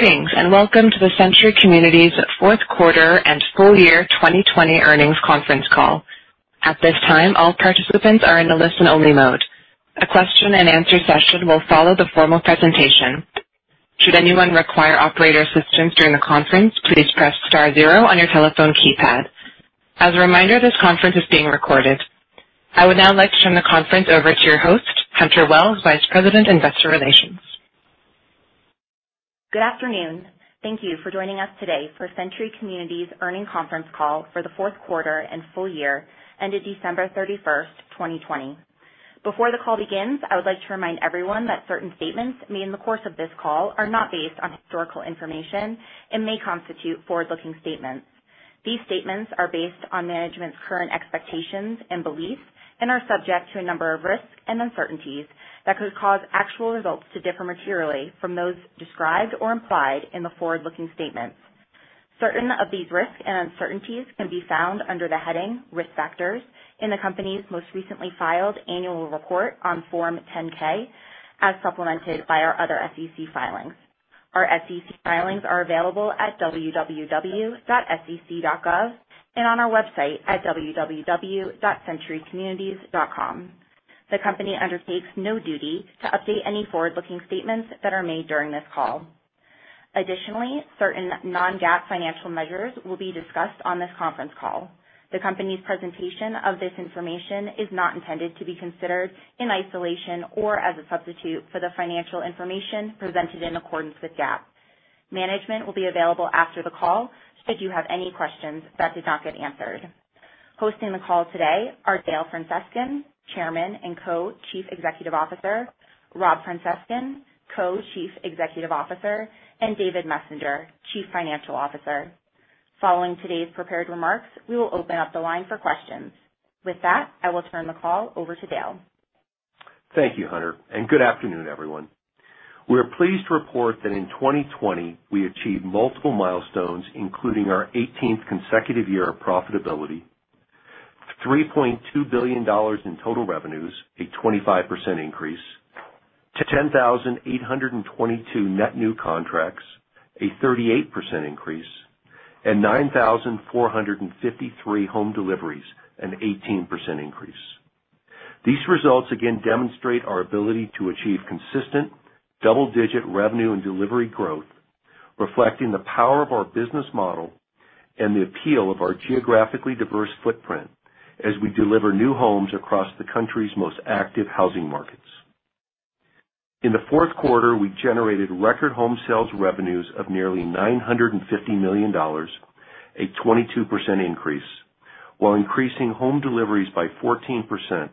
Greetings, welcome to the Century Communities fourth quarter and full year 2020 earnings conference call. At this time, all participants are in a listen-only mode. A question and answer session will follow the formal presentation. Should anyone require operator assistance during the conference, please press star zero on your telephone keypad. As a reminder, this conference is being recorded. I would now like to turn the conference over to your host, Hunter Wells, Vice President, Investor Relations. Good afternoon. Thank you for joining us today for Century Communities earnings conference call for the fourth quarter and full year ended December 31st, 2020. Before the call begins, I would like to remind everyone that certain statements made in the course of this call are not based on historical information and may constitute forward-looking statements. These statements are based on management's current expectations and beliefs and are subject to a number of risks and uncertainties that could cause actual results to differ materially from those described or implied in the forward-looking statements. Certain of these risks and uncertainties can be found under the heading Risk Factors in the company's most recently filed annual report on Form 10-K, as supplemented by our other SEC filings. Our SEC filings are available at www.sec.gov and on our website at www.centurycommunities.com. The company undertakes no duty to update any forward-looking statements that are made during this call. Additionally, certain non-GAAP financial measures will be discussed on this conference call. The company's presentation of this information is not intended to be considered in isolation or as a substitute for the financial information presented in accordance with GAAP. Management will be available after the call should you have any questions that did not get answered. Hosting the call today are Dale Francescon, Chairman and Co-Chief Executive Officer, Rob Francescon, Co-Chief Executive Officer, and David Messenger, Chief Financial Officer. Following today's prepared remarks, we will open up the line for questions. With that, I will turn the call over to Dale. Thank you, Hunter, and good afternoon, everyone. We are pleased to report that in 2020, we achieved multiple milestones, including our 18th consecutive year of profitability, $3.2 billion in total revenues, a 25% increase, to 10,822 net new contracts, a 38% increase, and 9,453 home deliveries, an 18% increase. These results again demonstrate our ability to achieve consistent double-digit revenue and delivery growth, reflecting the power of our business model and the appeal of our geographically diverse footprint as we deliver new homes across the country's most active housing markets. In the fourth quarter, we generated record home sales revenues of nearly $950 million, a 22% increase, while increasing home deliveries by 14%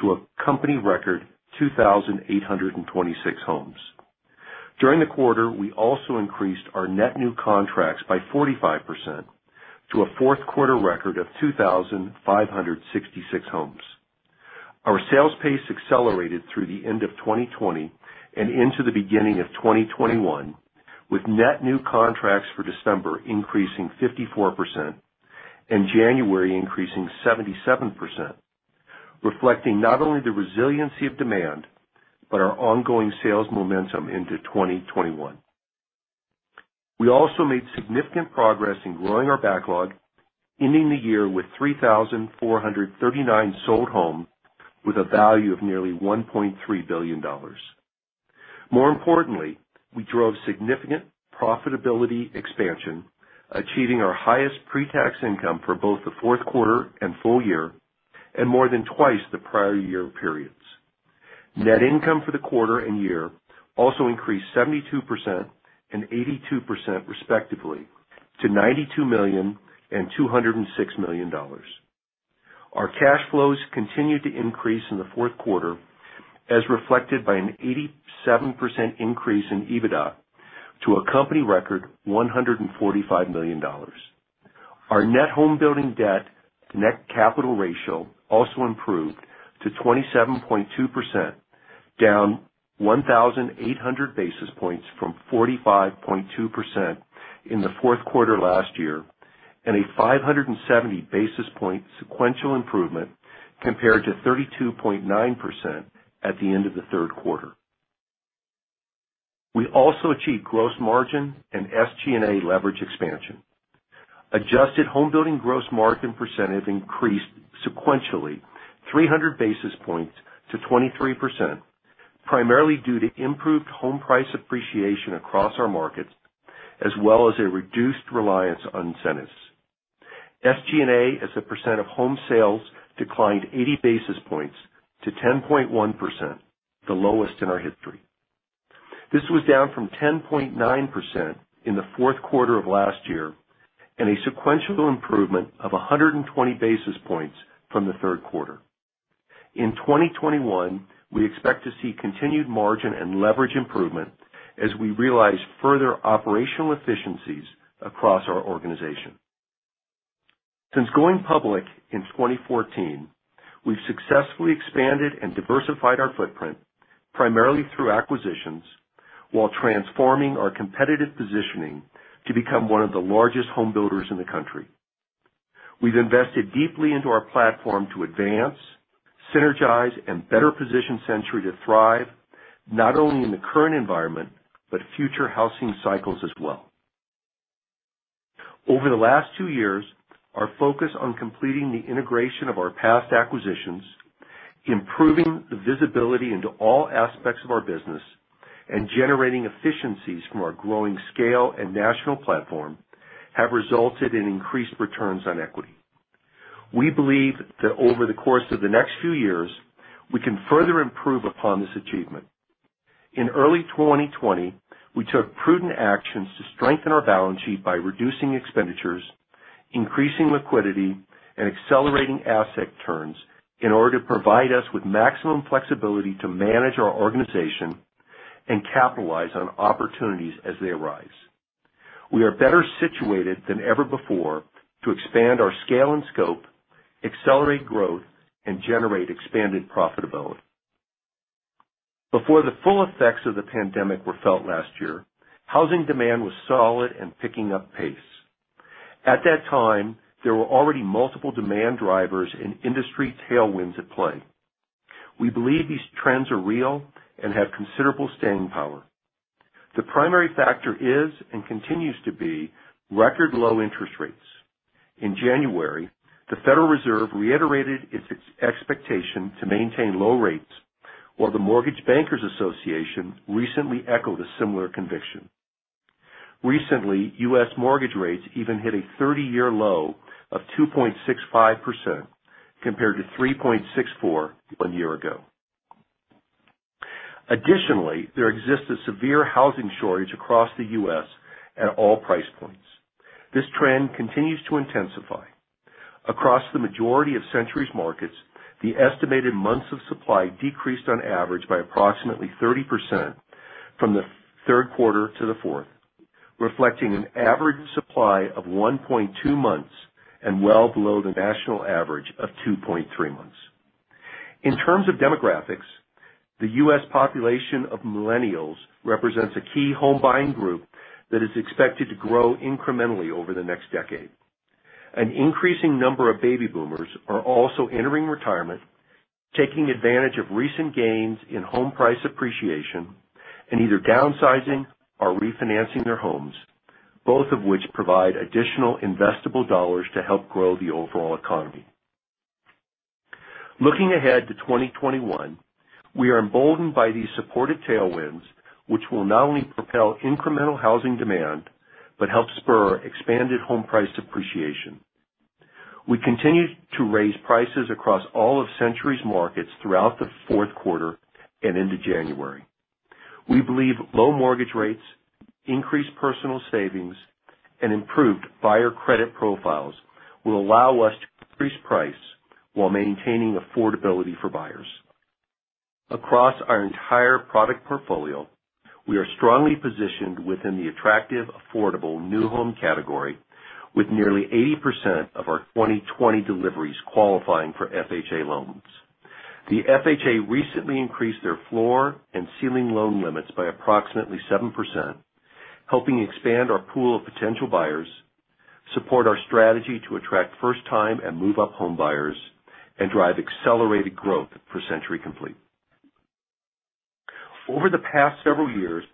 to a company record 2,826 homes. During the quarter, we also increased our net new contracts by 45% to a fourth quarter record of 2,566 homes. Our sales pace accelerated through the end of 2020 and into the beginning of 2021, with net new contracts for December increasing 54%, and January increasing 77%, reflecting not only the resiliency of demand but our ongoing sales momentum into 2021. We also made significant progress in growing our backlog, ending the year with 3,439 sold homes with a value of nearly $1.3 billion. More importantly, we drove significant profitability expansion, achieving our highest pre-tax income for both the fourth quarter and full year and more than twice the prior year periods. Net income for the quarter and year also increased 72% and 82% respectively to $92 million and $206 million. Our cash flows continued to increase in the fourth quarter, as reflected by an 87% increase in EBITDA to a company record $145 million. Our net homebuilding debt net capital ratio also improved to 27.2%, down 1,800 basis points from 45.2% in the fourth quarter last year, and a 570 basis point sequential improvement compared to 32.9% at the end of the third quarter. We also achieved gross margin and SG&A leverage expansion. Adjusted homebuilding gross margin percent increased sequentially 300 basis points to 23%, primarily due to improved home price appreciation across our markets, as well as a reduced reliance on incentives. SG&A, as a percent of home sales, declined 80 basis points to 10.1%, the lowest in our history. This was down from 10.9% in the fourth quarter of last year and a sequential improvement of 120 basis points from the third quarter. In 2021, we expect to see continued margin and leverage improvement as we realize further operational efficiencies across our organization. Since going public in 2014, we've successfully expanded and diversified our footprint, primarily through acquisitions, while transforming our competitive positioning to become one of the largest home builders in the country. We've invested deeply into our platform to advance, synergize, and better position Century to thrive, not only in the current environment, but future housing cycles as well. Over the last two years, our focus on completing the integration of our past acquisitions, improving the visibility into all aspects of our business, and generating efficiencies from our growing scale and national platform, have resulted in increased returns on equity. We believe that over the course of the next few years, we can further improve upon this achievement. In early 2020, we took prudent actions to strengthen our balance sheet by reducing expenditures, increasing liquidity, and accelerating asset turns in order to provide us with maximum flexibility to manage our organization and capitalize on opportunities as they arise. We are better situated than ever before to expand our scale and scope, accelerate growth, and generate expanded profitability. Before the full effects of the pandemic were felt last year, housing demand was solid and picking up pace. At that time, there were already multiple demand drivers and industry tailwinds at play. We believe these trends are real and have considerable staying power. The primary factor is, and continues to be, record low interest rates. In January, the Federal Reserve reiterated its expectation to maintain low rates, while the Mortgage Bankers Association recently echoed a similar conviction. Recently, U.S. mortgage rates even hit a 30-year low of two point six five percent, compared to three point six four one year ago. Additionally, there exists a severe housing shortage across the U.S. at all price points. This trend continues to intensify. Across the majority of Century's markets, the estimated months of supply decreased on average by approximately 30% from the third quarter to the fourth, reflecting an average supply of one point two months months and well below the national average of two point three months. In terms of demographics, the U.S. population of millennials represents a key home buying group that is expected to grow incrementally over the next decade. An increasing number of baby boomers are also entering retirement, taking advantage of recent gains in home price appreciation, and either downsizing or refinancing their homes, both of which provide additional investable dollars to help grow the overall economy. Looking ahead to 2021, we are emboldened by these supported tailwinds, which will not only propel incremental housing demand, but help spur expanded home price appreciation. We continue to raise prices across all of Century's markets throughout the fourth quarter and into January. We believe low mortgage rates, increased personal savings, and improved buyer credit profiles will allow us to increase price while maintaining affordability for buyers. Across our entire product portfolio, we are strongly positioned within the attractive, affordable new home category, with nearly 80% of our 2020 deliveries qualifying for FHA loans. The FHA recently increased their floor and ceiling loan limits by approximately seven percent helping expand our pool of potential buyers, support our strategy to attract first-time and move-up homebuyers, and drive accelerated growth for Century Complete. Over the past several years,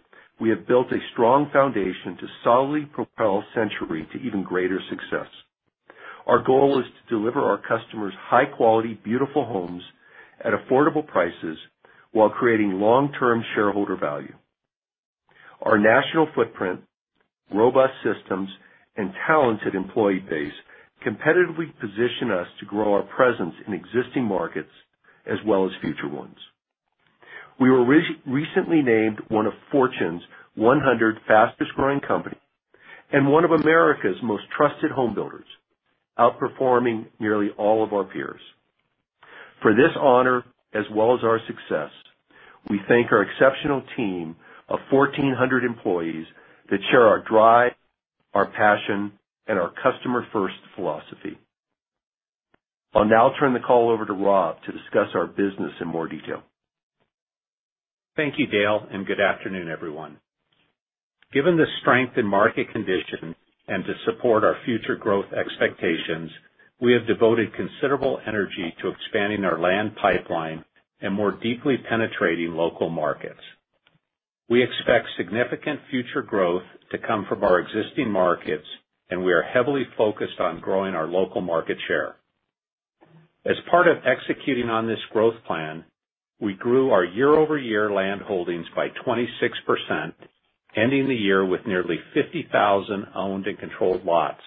we have built a strong foundation to solidly propel Century to even greater success. Our goal is to deliver our customers high-quality, beautiful homes at affordable prices while creating long-term shareholder value. Our national footprint, robust systems, and talented employee base competitively position us to grow our presence in existing markets as well as future ones. We were recently named one of Fortune's 100 Fastest Growing Companies, and one of America's Most Trusted Home Builders, outperforming nearly all of our peers. For this honor, as well as our success, we thank our exceptional team of 1,400 employees that share our drive, our passion, and our customer-first philosophy. I'll now turn the call over to Rob to discuss our business in more detail. Thank you, Dale. Good afternoon, everyone. Given the strength in market conditions and to support our future growth expectations, we have devoted considerable energy to expanding our land pipeline and more deeply penetrating local markets. We expect significant future growth to come from our existing markets, and we are heavily focused on growing our local market share. As part of executing on this growth plan, we grew our year-over-year land holdings by 26%, ending the year with nearly 50,000 owned and controlled lots.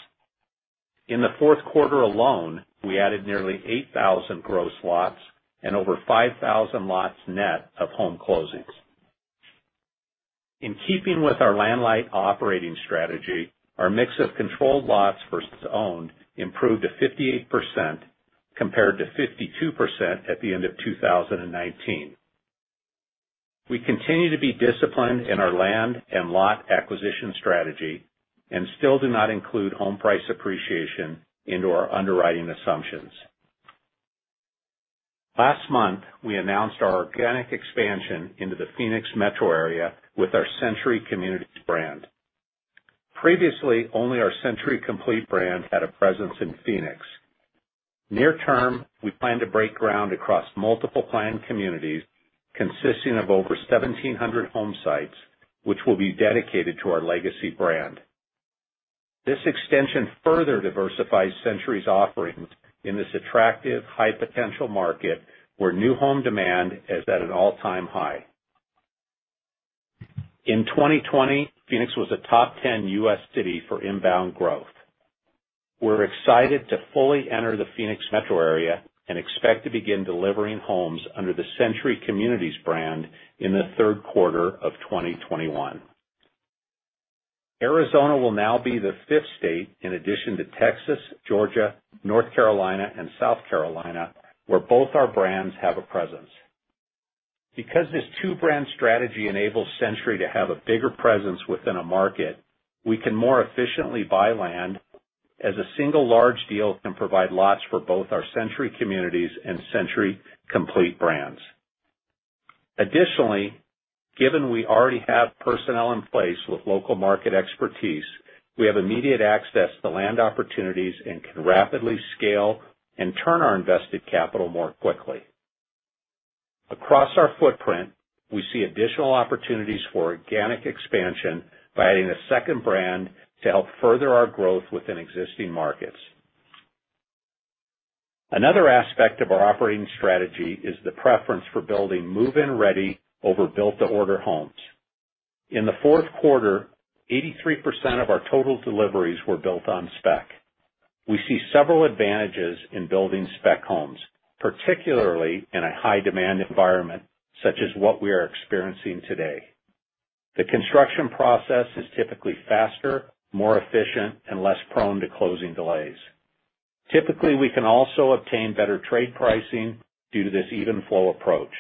In the fourth quarter alone, we added nearly 8,000 gross lots and over 5,000 lots net of home closings. In keeping with our land light operating strategy, our mix of controlled lots versus owned improved to 58%, compared to 52% at the end of 2019. We continue to be disciplined in our land and lot acquisition strategy, still do not include home price appreciation into our underwriting assumptions. Last month, we announced our organic expansion into the Phoenix metro area with our Century Communities brand. Previously, only our Century Complete brand had a presence in Phoenix. Near-term, we plan to break ground across multiple planned communities consisting of over 1,700 home sites, which will be dedicated to our legacy brand. This extension further diversifies Century's offerings in this attractive high-potential market where new home demand is at an all-time high. In 2020, Phoenix was a top 10 U.S. city for inbound growth. We're excited to fully enter the Phoenix metro area and expect to begin delivering homes under the Century Communities brand in the third quarter of 2021. Arizona will now be the fifth state, in addition to Texas, Georgia, North Carolina, and South Carolina, where both our brands have a presence. Because this two-brand strategy enables Century to have a bigger presence within a market, we can more efficiently buy land as a single large deal can provide lots for both our Century Communities and Century Complete brands. Additionally, given we already have personnel in place with local market expertise, we have immediate access to land opportunities and can rapidly scale and turn our invested capital more quickly. Across our footprint, we see additional opportunities for organic expansion by adding a second brand to help further our growth within existing markets. Another aspect of our operating strategy is the preference for building move-in ready over built-to-order homes. In the fourth quarter, 83% of our total deliveries were built on spec. We see several advantages in building spec homes, particularly in a high-demand environment such as what we are experiencing today. The construction process is typically faster, more efficient, and less prone to closing delays. Typically, we can also obtain better trade pricing due to this even flow approach.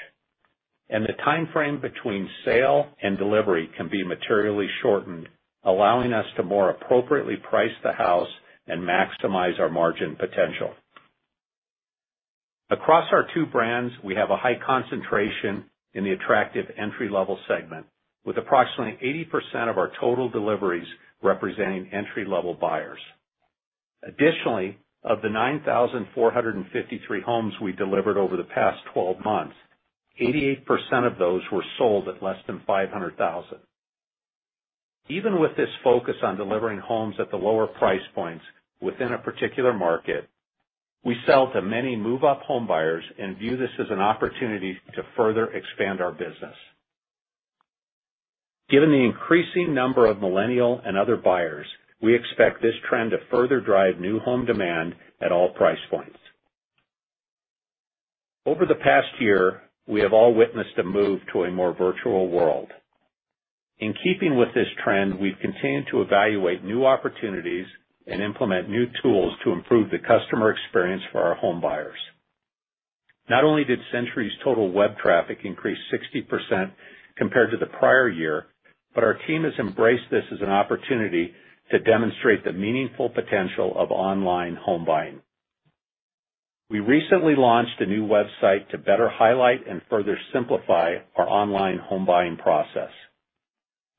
The timeframe between sale and delivery can be materially shortened, allowing us to more appropriately price the house and maximize our margin potential. Across our two brands, we have a high concentration in the attractive entry-level segment with approximately 80% of our total deliveries representing entry-level buyers. Additionally, of the 9,453 homes we delivered over the past 12 months, 88% of those were sold at less than $500,000. Even with this focus on delivering homes at the lower price points within a particular market, we sell to many move-up homebuyers and view this as an opportunity to further expand our business. Given the increasing number of millennial and other buyers, we expect this trend to further drive new home demand at all price points. Over the past year, we have all witnessed a move to a more virtual world. In keeping with this trend, we've continued to evaluate new opportunities and implement new tools to improve the customer experience for our homebuyers. Not only did Century's total web traffic increase 60% compared to the prior year, but our team has embraced this as an opportunity to demonstrate the meaningful potential of online home buying. We recently launched a new website to better highlight and further simplify our online home buying process.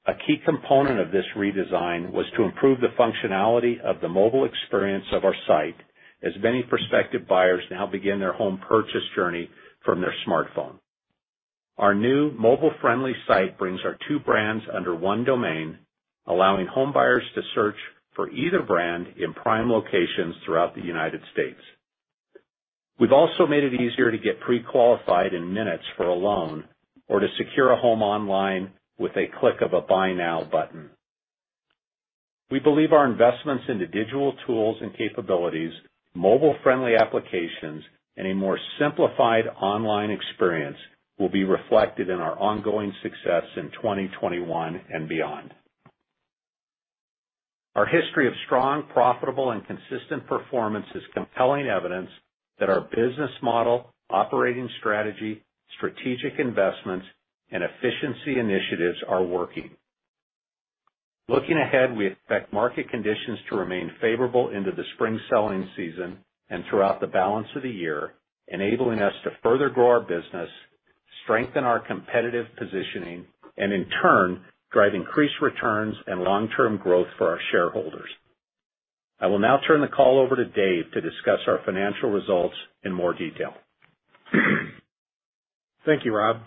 A key component of this redesign was to improve the functionality of the mobile experience of our site, as many prospective buyers now begin their home purchase journey from their smartphone. Our new mobile-friendly site brings our two brands under one domain, allowing homebuyers to search for either brand in prime locations throughout the United States. We've also made it easier to get pre-qualified in minutes for a loan or to secure a home online with a click of a Buy Now button. We believe our investments into digital tools and capabilities, mobile-friendly applications, and a more simplified online experience will be reflected in our ongoing success in 2021 and beyond. Our history of strong, profitable, and consistent performance is compelling evidence that our business model, operating strategy, strategic investments, and efficiency initiatives are working. Looking ahead, we expect market conditions to remain favorable into the spring selling season and throughout the balance of the year, enabling us to further grow our business, strengthen our competitive positioning, and in turn, drive increased returns and long-term growth for our shareholders. I will now turn the call over to Dave to discuss our financial results in more detail. Thank you, Rob.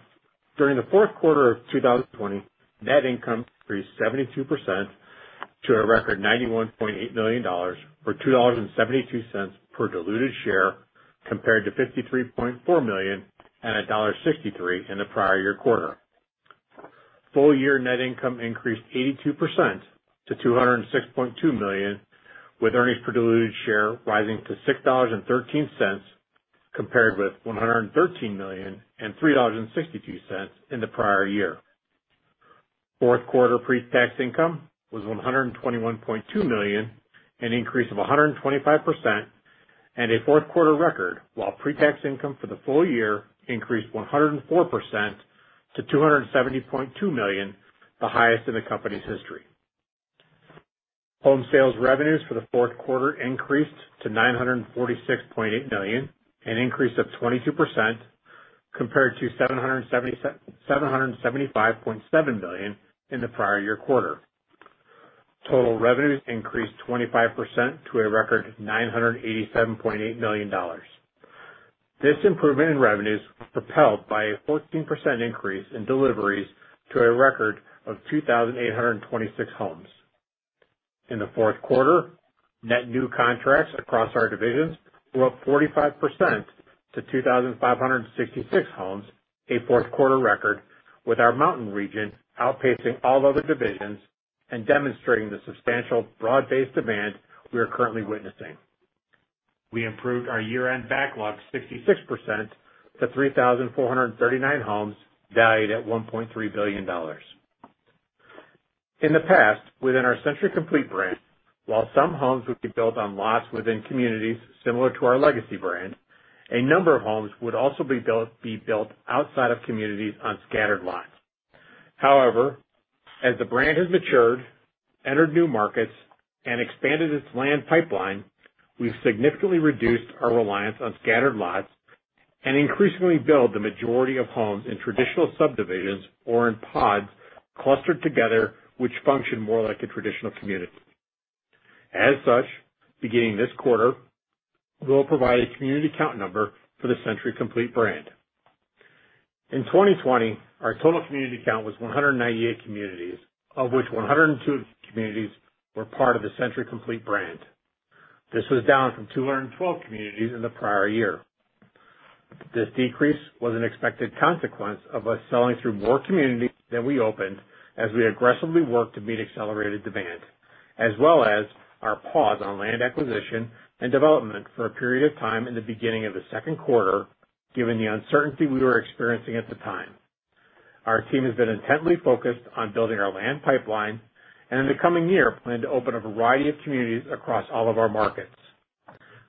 During the fourth quarter of 2020, net income increased 72% to a record $91.8 million, or $2.72 per diluted share, compared to $53.4 million and $1.63 in the prior year quarter. Full-year net income increased 82% to $206.2 million, with earnings per diluted share rising to $6.13 compared with $113 million and $3.62 in the prior year. Fourth quarter pre-tax income was $121.2 million, an increase of 125%, and a fourth quarter record, while pre-tax income for the full year increased 104% to $270.2 million, the highest in the company's history. Home sales revenues for the fourth quarter increased to $946.8 million, an increase of 22%, compared to $775.7 million in the prior year quarter. Total revenues increased 25% to a record $987.8 million. This improvement in revenues was propelled by a 14% increase in deliveries to a record of 2,826 homes. In the fourth quarter, net new contracts across our divisions were up 45% to 2,566 homes, a fourth quarter record, with our Mountain Region outpacing all other divisions and demonstrating the substantial broad-based demand we are currently witnessing. We improved our year-end backlog 66% to 3,439 homes, valued at $1.3 billion. In the past, within our Century Complete brand, while some homes would be built on lots within communities similar to our legacy brand, a number of homes would also be built outside of communities on scattered lots. As the brand has matured, entered new markets, and expanded its land pipeline, we've significantly reduced our reliance on scattered lots and increasingly build the majority of homes in traditional subdivisions or in pods clustered together, which function more like a traditional community. Beginning this quarter, we'll provide a community count number for the Century Complete brand. In 2020, our total community count was 198 communities, of which 102 communities were part of the Century Complete brand. This was down from 212 communities in the prior year. This decrease was an expected consequence of us selling through more communities than we opened, as we aggressively worked to meet accelerated demand, as well as our pause on land acquisition and development for a period of time in the beginning of the second quarter, given the uncertainty we were experiencing at the time. Our team has been intently focused on building our land pipeline, and in the coming year, plan to open a variety of communities across all of our markets.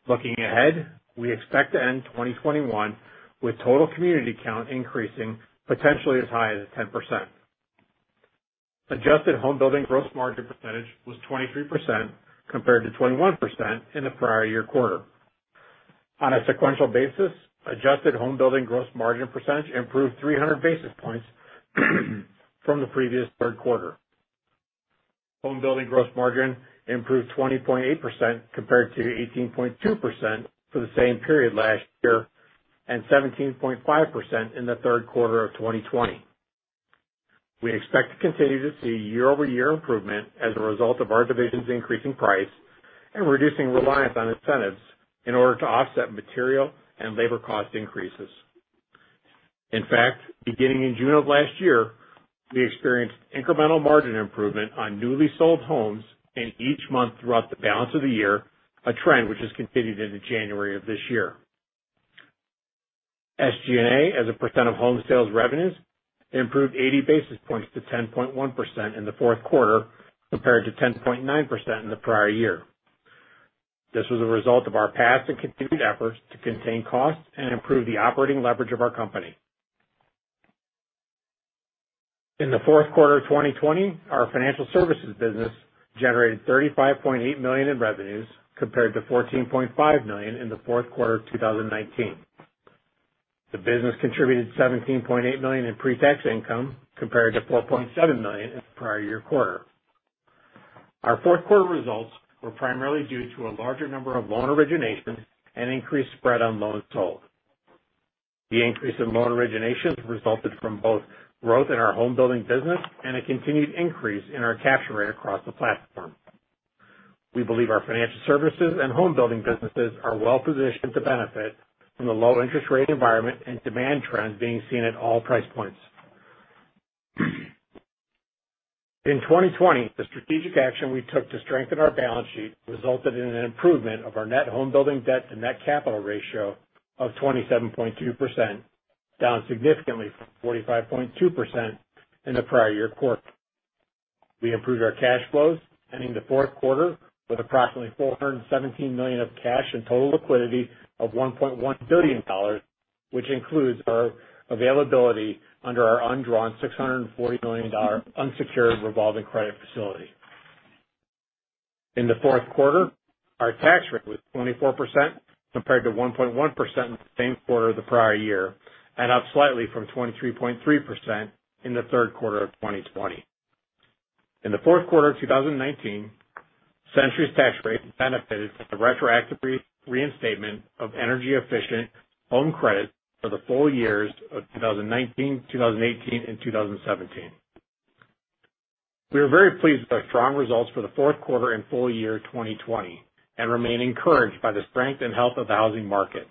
Looking ahead, we expect to end 2021 with total community count increasing potentially as high as 10%. Adjusted homebuilding gross margin percentage was 23%, compared to 21% in the prior year quarter. On a sequential basis, adjusted homebuilding gross margin percentage improved 300 basis points from the previous third quarter. Homebuilding gross margin improved 20.8%, compared to 18.2% for the same period last year, and 17.5% in the third quarter of 2020. We expect to continue to see year-over-year improvement as a result of our divisions increasing price and reducing reliance on incentives in order to offset material and labor cost increases. In fact, beginning in June of last year, we experienced incremental margin improvement on newly sold homes in each month throughout the balance of the year, a trend which has continued into January of this year. SG&A, as a percent of home sales revenues, improved 80 basis points to 10.1% in the fourth quarter, compared to 10.9% in the prior year. This was a result of our past and continued efforts to contain costs and improve the operating leverage of our company. In the fourth quarter of 2020, our financial services business generated $35.8 million in revenues, compared to $14.5 million in the fourth quarter of 2019. The business contributed $17.8 million in pre-tax income, compared to $4.7 million in the prior year quarter. Our fourth quarter results were primarily due to a larger number of loan originations and increased spread on loans sold. The increase in loan originations resulted from both growth in our homebuilding business and a continued increase in our capture rate across the platform. We believe our financial services and homebuilding businesses are well-positioned to benefit from the low interest rate environment and demand trends being seen at all price points. In 2020, the strategic action we took to strengthen our balance sheet resulted in an improvement of our net homebuilding debt to net capital ratio of 27.2%, down significantly from 45.2% in the prior year quarter. We improved our cash flows ending the fourth quarter with approximately $417 million of cash and total liquidity of $1.1 billion, which includes our availability under our undrawn $640 million unsecured revolving credit facility. In the fourth quarter, our tax rate was 24%, compared to one point one percent in the same quarter the prior year, and up slightly from 23.3% in the third quarter of 2020. In the fourth quarter of 2019, Century's tax rate benefited from the retroactive reinstatement of energy-efficient home credits for the full years of 2019, 2018, and 2017. We are very pleased with our strong results for the fourth quarter and full year 2020, and remain encouraged by the strength and health of the housing market.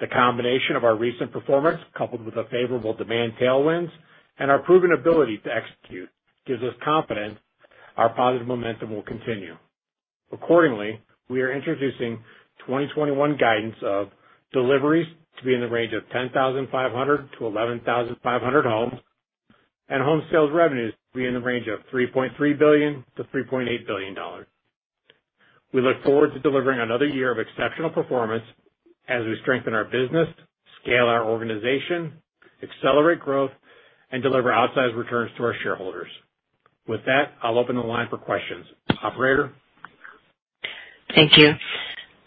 The combination of our recent performance, coupled with the favorable demand tailwinds and our proven ability to execute, gives us confidence our positive momentum will continue. Accordingly, we are introducing 2021 guidance of deliveries to be in the range of 10,500-11,500 homes, and home sales revenues to be in the range of $3.3 billion to $3.8 billion. We look forward to delivering another year of exceptional performance as we strengthen our business, scale our organization, accelerate growth, and deliver outsized returns to our shareholders. With that, I'll open the line for questions. Operator? Thank you.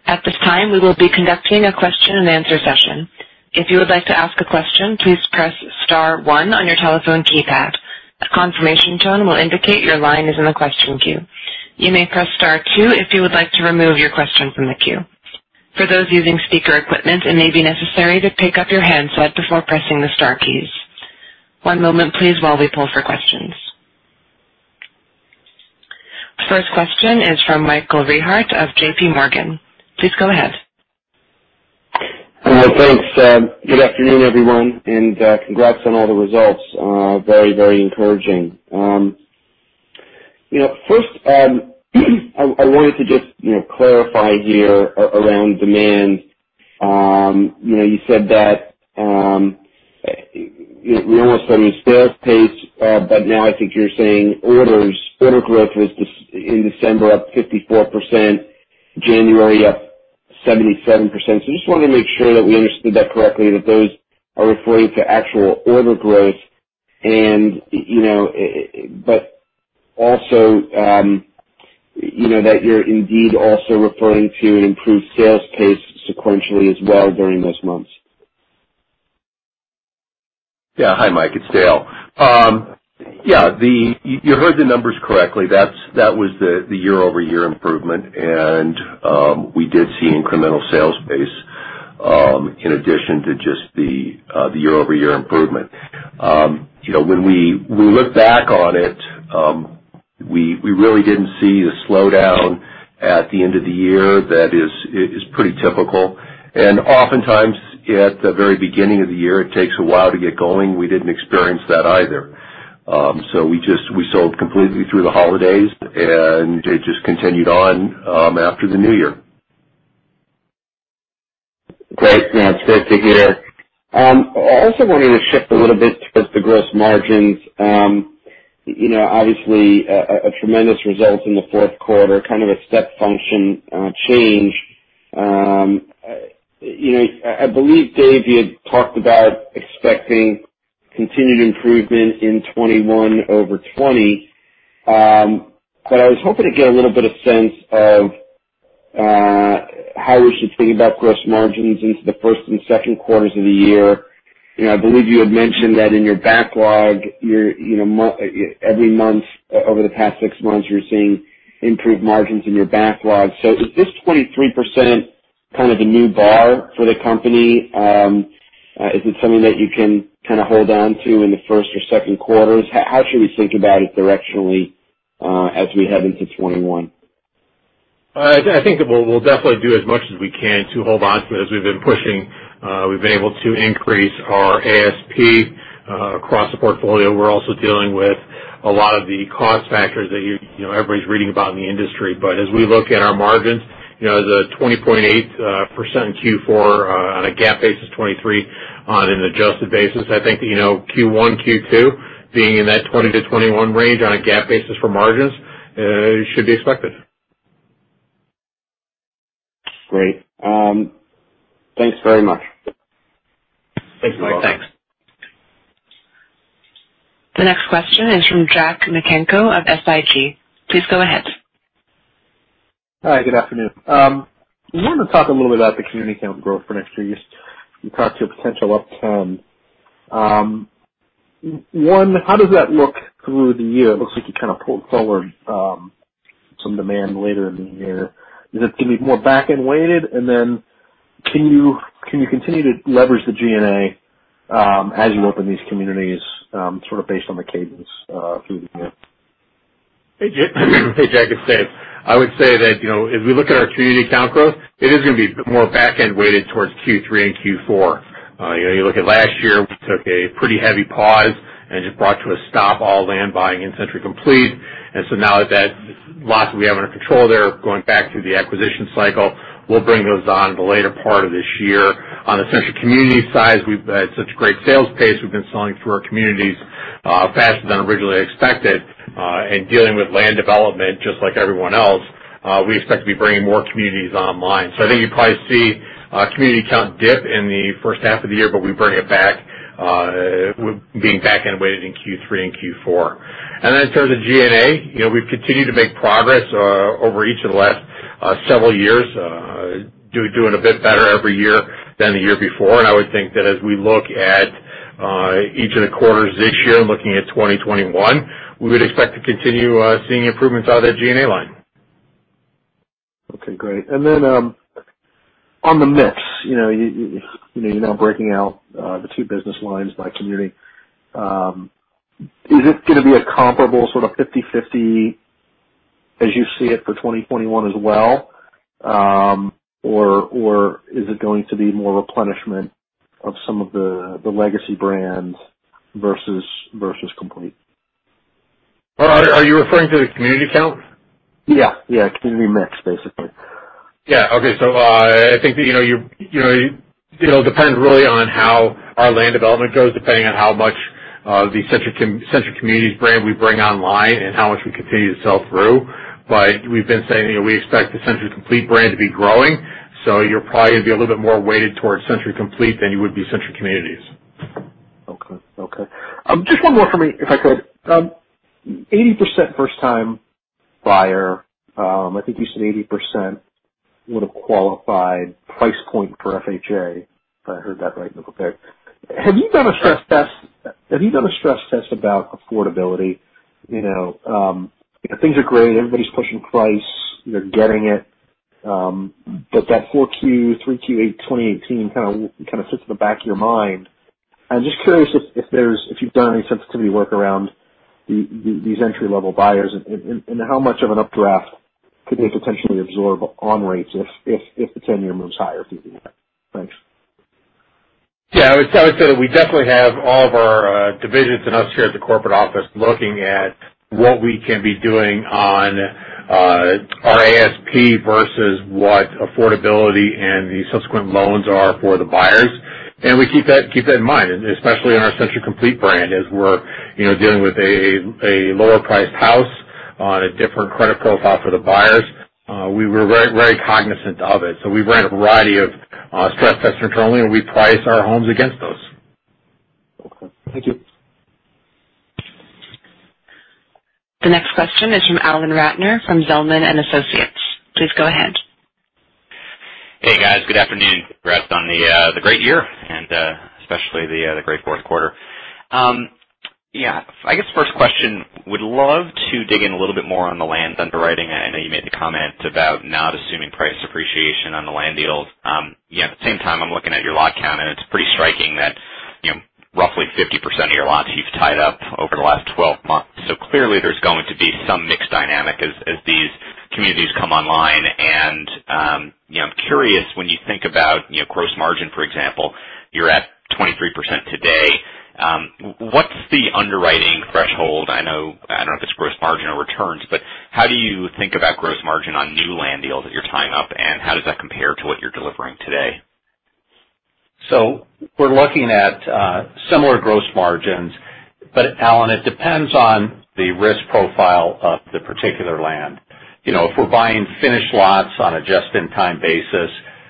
At this time, we will be conducting a question and answer session. If you would like to ask a question, please press star one on your telephone keypad. A confirmation tone will indicate your line is in the question queue. You may press star two if you would like to remove your question from the queue. For those using speaker equipment, it may be necessary to pick up your handset before pressing the star keys. One moment please while we pull for questions. First question is from Michael Rehaut of J.P. Morgan. Please go ahead. Thanks. Good afternoon, everyone, and congrats on all the results. Very encouraging. I wanted to just clarify here around demand. You said that we almost had a sales pace, but now I think you're saying orders. Order growth was, in December, up 54%, January up 77%. Just wanted to make sure that we understood that correctly, that those are referring to actual order growth but also that you're indeed also referring to an improved sales pace sequentially as well during those months. Yeah. Hi, Mike, it's Dale. Yeah. You heard the numbers correctly. That was the year-over-year improvement, and we did see incremental sales pace in addition to just the year-over-year improvement. When we look back on it, we really didn't see the slowdown at the end of the year that is pretty typical. Oftentimes at the very beginning of the year, it takes a while to get going. We didn't experience that either. We sold completely through the holidays, and it just continued on after the new year. Great. No, it's great to hear. I also wanted to shift a little bit towards the gross margins. Obviously, a tremendous result in the fourth quarter, kind of a step function change. I believe, Dave, you had talked about expecting continued improvement in 2021 over 2020. I was hoping to get a little bit of sense of how we should think about gross margins into the first and second quarters of the year. I believe you had mentioned that in your backlog, every month over the past six months, you're seeing improved margins in your backlog. Is this 23% kind of the new bar for the company? Is it something that you can kind of hold on to in the first or second quarters? How should we think about it directionally as we head into 2021? I think we'll definitely do as much as we can to hold on to it as we've been pushing. We've been able to increase our ASP across the portfolio. We're also dealing with a lot of the cost factors that everybody's reading about in the industry. As we look at our margins, the 20.8% in Q4 on a GAAP basis, 23% on an adjusted basis, I think Q1, Q2 being in that 20% to 21% range on a GAAP basis for margins should be expected. Great. Thanks very much. Thanks, Mike. The next question is from Jack Micenko of SIG. Please go ahead. Hi, good afternoon. I wanted to talk a little bit about the community count growth for next year. You talked to a potential upturn. One, how does that look through the year? It looks like you kind of pulled forward some demand later in the year. Is it going to be more back-end weighted? Can you continue to leverage the SG&A as you open these communities sort of based on the cadence through the year? Hey, Jack, it's Dave. I would say that if we look at our community count growth, it is going to be more back-end weighted towards Q3 and Q4. You look at last year, we took a pretty heavy pause and just brought to a stop all land buying in Century Complete. Now that lots we have under control there going back through the acquisition cycle, we'll bring those on in the later part of this year. On the Century Communities side, we've had such great sales pace. We've been selling through our communities faster than originally expected. Dealing with land development just like everyone else, we expect to be bringing more communities online. I think you'd probably see community count dip in the first half of the year, but we bring it back with being back-end weighted in Q3 and Q4. Then in terms of G&A, we've continued to make progress over each of the last several years, doing a bit better every year than the year before. I would think that as we look at each of the quarters this year, looking at 2021, we would expect to continue seeing improvements out of that G&A line. Okay, great. On the mix, you're now breaking out the two business lines by community. Is it going to be a comparable sort of 50/50 as you see it for 2021 as well? Is it going to be more replenishment of some of the legacy brands versus Complete? Are you referring to the community count? Yeah. Community mix, basically. Yeah. Okay. I think that it depends really on how our land development goes, depending on how much of the Century Communities brand we bring online and how much we continue to sell through. We've been saying, we expect the Century Complete brand to be growing, you're probably going to be a little bit more weighted towards Century Complete than you would be Century Communities. Okay. Just one more for me, if I could. 80% first-time buyer. I think you said 80% would have qualified price point for FHA, if I heard that right, okay? Have you done a stress test about affordability? Things are great. Everybody's pushing price. They're getting it. That 4Q, 3Q 2018 kind of sits in the back of your mind. I'm just curious if you've done any sensitivity work around these entry-level buyers, and how much of an updraft could they potentially absorb on rates if the 10-year moves higher, thanks? I would say that we definitely have all of our divisions and us here at the corporate office looking at what we can be doing on our ASP versus what affordability and the subsequent loans are for the buyers. We keep that in mind, especially on our Century Complete brand, as we're dealing with a lower-priced house on a different credit profile for the buyers. We were very cognizant of it. We ran a variety of stress tests internally, and we priced our homes against those. Okay. Thank you. The next question is from Alan Ratner from Zelman & Associates. Please go ahead. Hey, guys. Good afternoon. Congrats on the great year and especially the great fourth quarter. I guess first question, would love to dig in a little bit more on the land underwriting. I know you made the comment about not assuming price appreciation on the land deals. At the same time, I'm looking at your lot count, and it's pretty striking that roughly 50% of your lots you've tied up over the last 12 months. Clearly there's going to be some mix dynamic as these communities come online. I'm curious when you think about gross margin, for example, you're at 23% today. What's the underwriting threshold? I don't know if it's gross margin or returns, but how do you think about gross margin on new land deals that you're tying up, and how does that compare to what you're delivering today? We're looking at similar gross margins. Alan, it depends on the risk profile of the particular land. If we're buying finished lots on a just-in-time basis,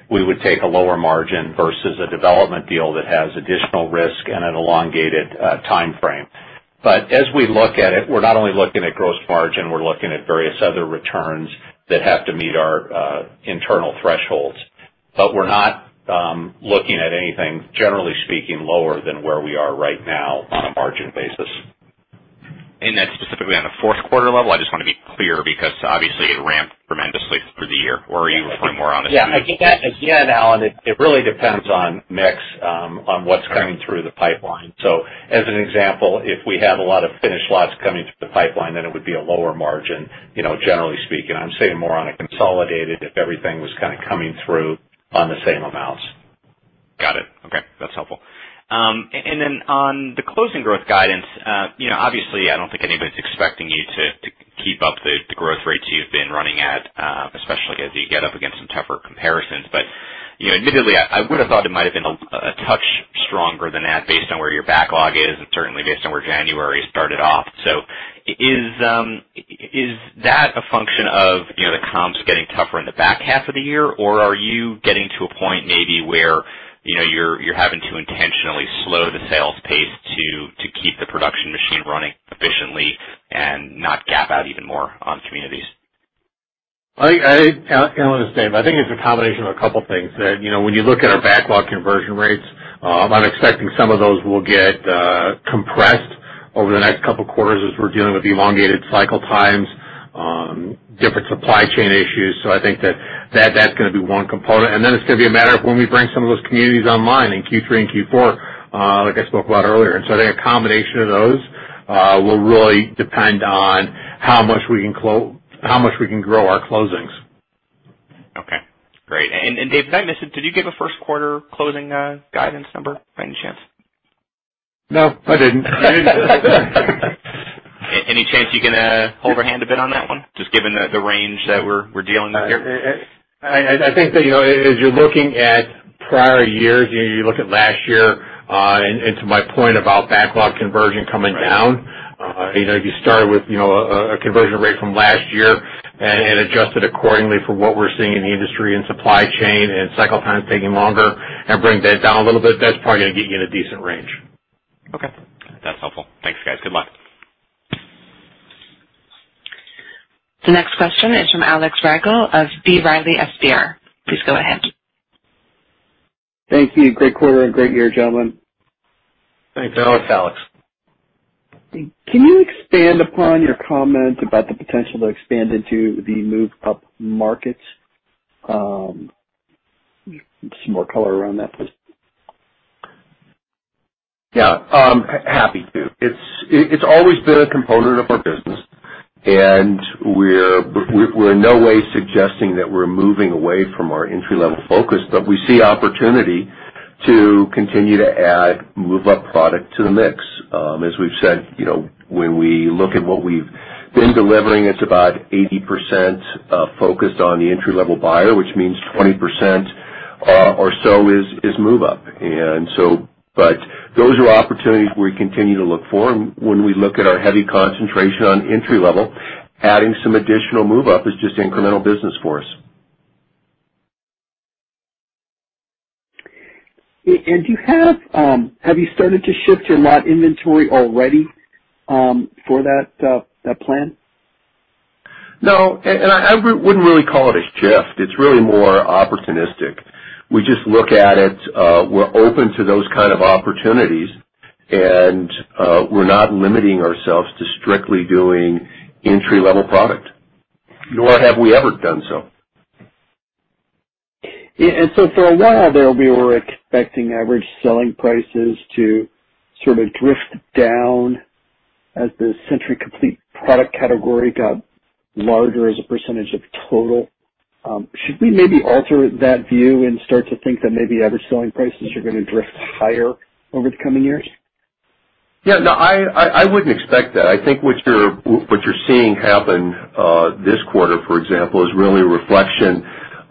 we would take a lower margin versus a development deal that has additional risk and an elongated timeframe. As we look at it, we're not only looking at gross margin, we're looking at various other returns that have to meet our internal thresholds. We're not looking at anything, generally speaking, lower than where we are right now on a margin basis. That's specifically on the fourth quarter level? I just want to be clear because obviously it ramped tremendously through the year. Are you looking more on a Yeah. Again, Alan, it really depends on mix, on what's coming through the pipeline. As an example, if we had a lot of finished lots coming through the pipeline, then it would be a lower margin, generally speaking. I'm saying more on a consolidated, if everything was kind of coming through on the same amounts. Got it. Okay, that's helpful. On the closing growth guidance, obviously I don't think anybody's expecting you to keep up the growth rates you've been running at, especially as you get up against some tougher comparisons. Initially, I would have thought it might have been a touch stronger than that based on where your backlog is and certainly based on where January started off. Is that a function of the comps getting tougher in the back half of the year? Or are you getting to a point maybe where you're having to intentionally slow the sales pace to keep the production machine running efficiently and not gap out even more on communities? Alan, this is Dave. I think it's a combination of a couple things that when you look at our backlog conversion rates, I'm expecting some of those will get compressed over the next couple of quarters as we're dealing with elongated cycle times, different supply chain issues. I think that that's going to be one component, and then it's going to be a matter of when we bring some of those communities online in Q3 and Q4, like I spoke about earlier. I think a combination of those will really depend on how much we can grow our closings. Okay, great. Dave, did I miss it? Did you give a first quarter closing guidance number by any chance? No, I didn't. Any chance you can hold our hand a bit on that one, just given the range that we're dealing with here? I think that as you're looking at prior years, you look at last year, and to my point about backlog conversion coming down. You start with a conversion rate from last year and adjust it accordingly for what we're seeing in the industry and supply chain and cycle times taking longer and bring that down a little bit. That's probably going to get you in a decent range. Okay. That's helpful. Thanks, guys. Good luck. The next question is from Alex Rygiel of B. Riley Securities. Please go ahead. Thank you. Great quarter and great year, gentlemen. Thanks, Alex. Thanks, Alex. Can you expand upon your comment about the potential to expand into the move up markets? Some more color around that, please. Yeah. Happy to. It's always been a component of our business, and we're in no way suggesting that we're moving away from our entry-level focus, but we see opportunity to continue to add move-up product to the mix. As we've said, when we look at what we've been delivering, it's about 80% focused on the entry-level buyer, which means 20% or so is move-up. Those are opportunities we continue to look for. When we look at our heavy concentration on entry level, adding some additional move-up is just incremental business for us. Have you started to shift your lot inventory already for that plan? No. I wouldn't really call it a shift. It's really more opportunistic. We just look at it, we're open to those kind of opportunities. We're not limiting ourselves to strictly doing entry-level product, nor have we ever done so. For a while, we're expecting average selling prices to sort of drift down as the Century Complete product category got larger as a percentage of total. Should we maybe alter that view and start to think that maybe average selling prices are going to drift higher over the coming years? Yeah. No, I wouldn't expect that. I think what you're seeing happen, this quarter, for example, is really a reflection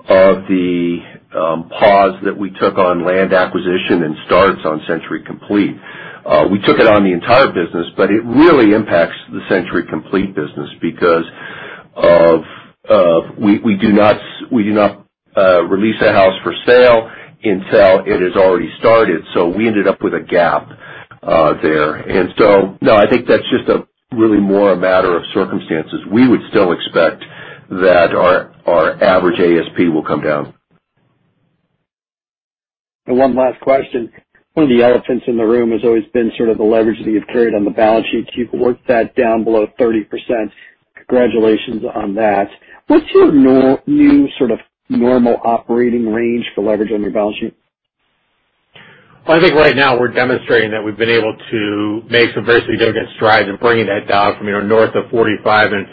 of the pause that we took on land acquisition and starts on Century Complete. We took it on the entire business, but it really impacts the Century Complete business because of we do not release a house for sale until it is already started. We ended up with a gap there. No, I think that's just really more a matter of circumstances. We would still expect that our average ASP will come down. One last question. One of the elephants in the room has always been sort of the leverage that you've carried on the balance sheet. You've worked that down below 30%. Congratulations on that. What's your new sort of normal operating range for leverage on your balance sheet? Well, I think right now we're demonstrating that we've been able to make some very significant strides in bringing that down from north of 45, in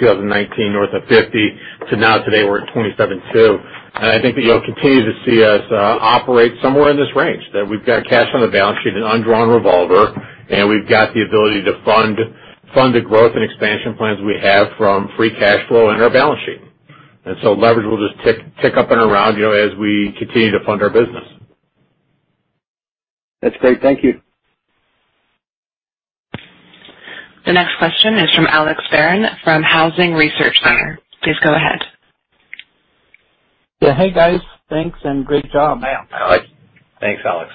2019, north of 50 to now today we're at 27.2. I think that you'll continue to see us operate somewhere in this range. That we've got cash on the balance sheet and undrawn revolver, and we've got the ability to fund the growth and expansion plans we have from free cash flow and our balance sheet. Leverage will just tick up and around as we continue to fund our business. That's great. Thank you. The next question is from Alex Barron from Housing Research Center. Please go ahead. Yeah. Hey, guys. Thanks and great job. Hi. Thanks, Alex.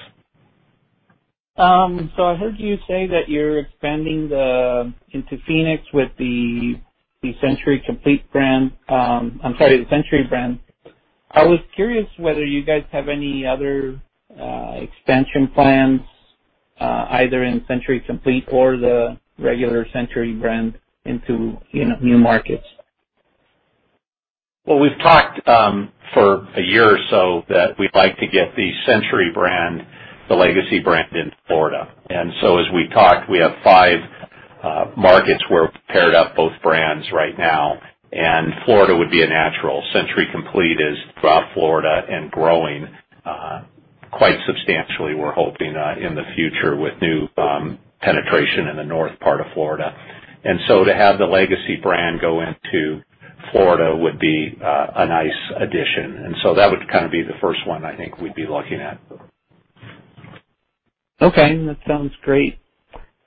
I heard you say that you're expanding into Phoenix with the Century Complete brand. I'm sorry, the Century brand. I was curious whether you guys have any other expansion plans, either in Century Complete or the regular Century brand into new markets. Well, we've talked for a year or so that we'd like to get the Century brand, the legacy brand, in Florida. As we talked, we have five markets where we've paired up both brands right now, and Florida would be a natural. Century Complete is throughout Florida and growing quite substantially, we're hoping, in the future with new penetration in the north part of Florida. To have the legacy brand go into Florida would be a nice addition. That would kind of be the first one I think we'd be looking at. Okay. That sounds great.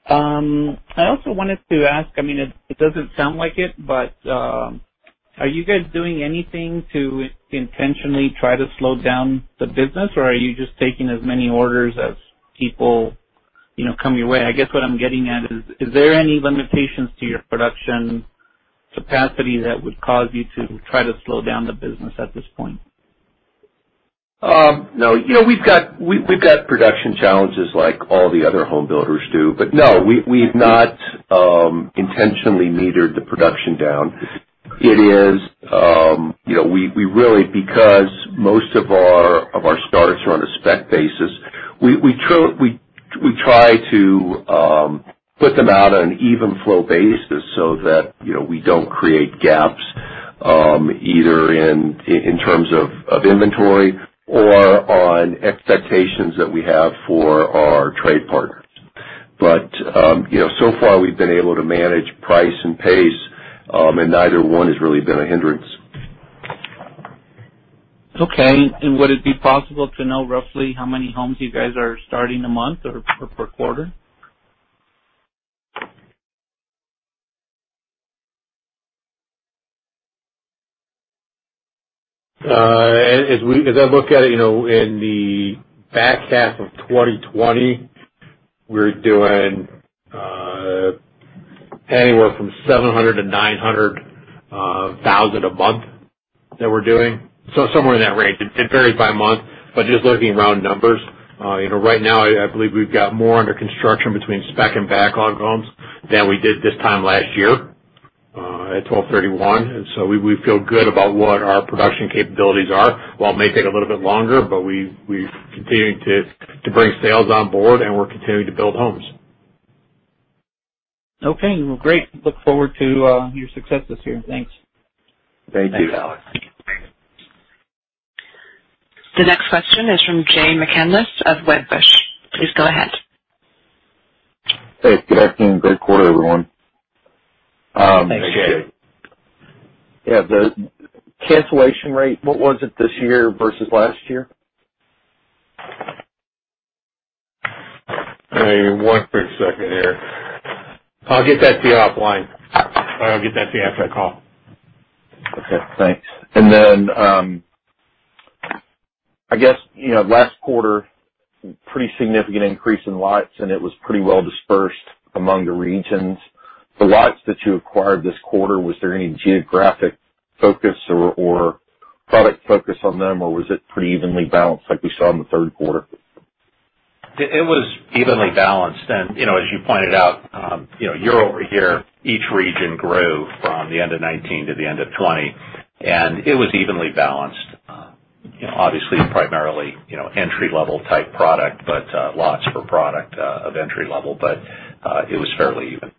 I also wanted to ask, it doesn't sound like it, but are you guys doing anything to intentionally try to slow down the business, or are you just taking as many orders as people come your way? I guess what I'm getting at is there any limitations to your production capacity that would cause you to try to slow down the business at this point? No. We've got production challenges like all the other home builders do. no, we've not intentionally metered the production down. Because most of our starts are on a spec basis, we try to put them out on an even flow basis so that we don't create gaps, either in terms of inventory or on expectations that we have for our trade partners. so far, we've been able to manage price and pace, and neither one has really been a hindrance. Okay. Would it be possible to know roughly how many homes you guys are starting a month or per quarter? As I look at it, in the back half of 2020, we're doing anywhere from 700 to 900 thousand a month that we're doing. Somewhere in that range. It varies by month, but just looking around numbers. Right now, I believe we've got more under construction between spec and backlog homes than we did this time last year at 1,231. We feel good about what our production capabilities are. While it may take a little bit longer, but we're continuing to bring sales on board, and we're continuing to build homes. Okay, great. Look forward to your successes here. Thanks. Thank you. Thanks, Alex. The next question is from Jay McCanless of Wedbush. Please go ahead. Hey, good afternoon. Great quarter, everyone. Thanks, Jay. Yeah. The cancellation rate, what was it this year versus last year? One quick second here. I'll get that to you offline, or I'll get that to you after I call. Okay, thanks. I guess last quarter, pretty significant increase in lots, and it was pretty well dispersed among the regions. The lots that you acquired this quarter, was there any geographic focus or product focus on them, or was it pretty evenly balanced like we saw in the third quarter? It was evenly balanced. As you pointed out, year-over-year, each region grew from the end of 2019 to the end of 2020, and it was evenly balanced. Obviously, primarily entry-level type product, but lots for product of entry level, but it was fairly even.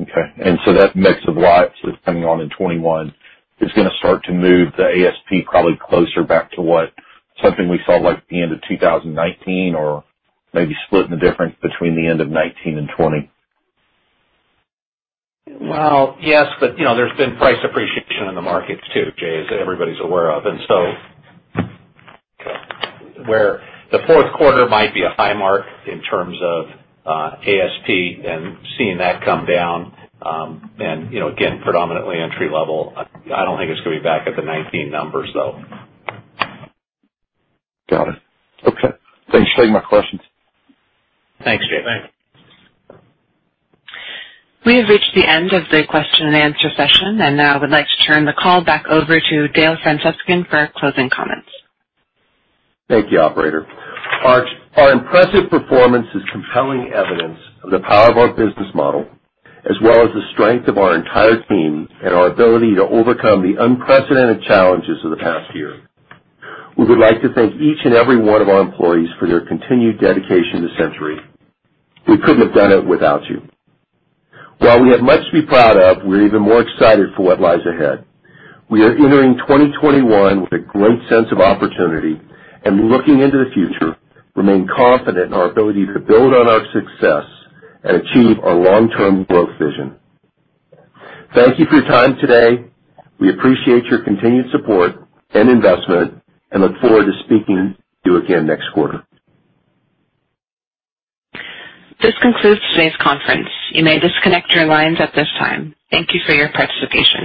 Okay. That mix of lots that's coming on in 2021 is going to start to move the ASP probably closer back to what something we saw like at the end of 2019 or maybe splitting the difference between the end of 2019 and 2020? Yes, there's been price appreciation in the markets too, Jay, as everybody's aware of. Okay where the fourth quarter might be a high mark in terms of ASP and seeing that come down, predominantly entry-level, I don't think it's going to be back at the 2019 numbers, though. Got it. Okay. Thanks. Those are my questions. Thanks, Jay. Thanks. We have reached the end of the question and answer session, and now I would like to turn the call back over to Dale for closing comments. Thank you, operator. Our impressive performance is compelling evidence of the power of our business model, as well as the strength of our entire team and our ability to overcome the unprecedented challenges of the past year. We would like to thank each and every one of our employees for their continued dedication to Century. We couldn't have done it without you. While we have much to be proud of, we're even more excited for what lies ahead. We are entering 2021 with a great sense of opportunity, and looking into the future, remain confident in our ability to build on our success and achieve our long-term growth vision. Thank you for your time today. We appreciate your continued support and investment and look forward to speaking to you again next quarter. This concludes today's conference. You may disconnect your lines at this time. Thank you for your participation.